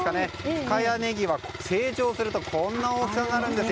深谷ねぎは成長するとこんな大きさになります。